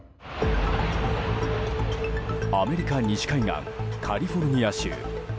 アメリカ西海岸カリフォルニア州。